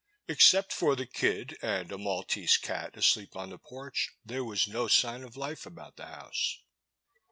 Except for the kid, and a Maltese cat asleep on the porch, there was no sign of life about the house.